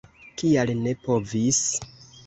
Kial ne povis?